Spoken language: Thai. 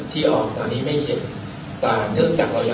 ซึ่งตอนนี้ยังมีความไปสุขติดอยู่